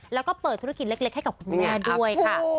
แล้วก็เปิดธุรกิจเล็กให้กับคุณแม่ด้วยค่ะ